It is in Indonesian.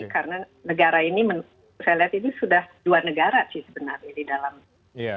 karena negara ini saya lihat ini sudah dua negara sih sebenarnya